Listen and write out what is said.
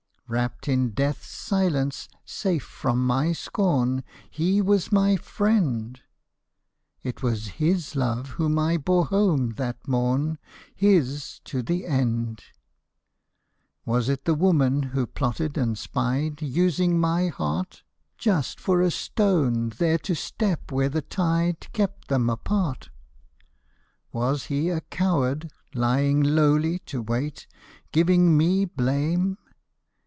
Wrapped in death's silence, safe from my scorn ; He was my friend : It was his love whom I bore home that morn, His to the end ! Was it the woman who plotted and spied, Using my heart MY LADY'S SLIPPER ii Just for a stone there to step where the tide Kept them apart ? Was he a coward, lying lowly to wait. Giving me blame